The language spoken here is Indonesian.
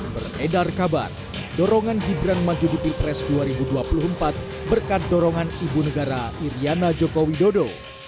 beredar kabar dorongan gibran maju di pilpres dua ribu dua puluh empat berkat dorongan ibu negara iryana joko widodo